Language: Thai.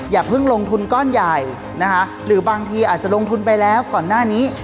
อย่าเพิ่งลงทุนก้อนใหญ่นะคะหรือบางทีอาจจะลงทุนไปแล้วก่อนหน้านี้